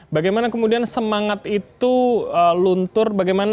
bagaimana kemudian semangat itu luntur bagaimana